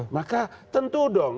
maka tentu dong